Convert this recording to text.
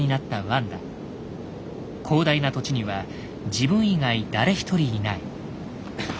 広大な土地には自分以外誰一人いない。